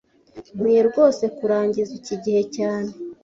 Nkwiye rwose kurangiza iki gihe cyane